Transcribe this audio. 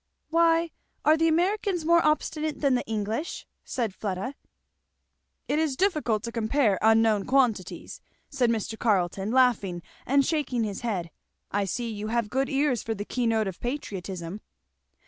'" "Why, are the Americans more obstinate than the English?" said Fleda. "It is difficult to compare unknown quantities," said Mr. Carleton laughing and shaking his head. "I see you have good ears for the key note of patriotism."